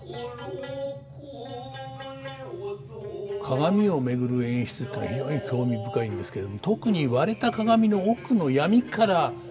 鏡を巡る演出っていうのは非常に興味深いんですけれども特に割れた鏡の奥の闇から森村人形が出てくるシーン。